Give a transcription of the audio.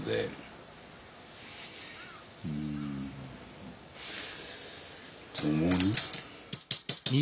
うん「ともに」。